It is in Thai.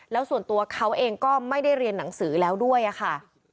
แล้วส่วนตัวเขาเองก็ไม่ได้เรียนหนังสือแล้วด้วยค่ะ